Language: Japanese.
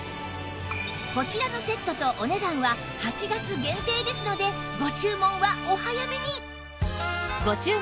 こちらのセットとお値段は８月限定ですのでご注文はお早めに